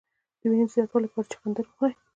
د وینې د زیاتوالي لپاره چغندر وخورئ